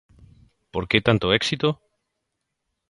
Por que tanto éxito?